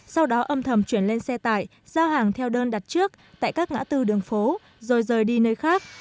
sau đó âm thầm chuyển lên xe tải giao hàng theo đơn đặt trước tại các ngã tư đường phố rồi rời đi nơi khác